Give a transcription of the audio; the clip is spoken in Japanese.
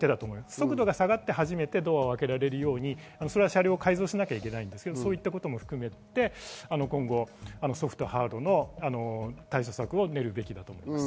速度が下がってドアを開けられるように車両を改造しなきゃいけないのですが、今後ソフト、ハードの対処策を練るべきだと思います。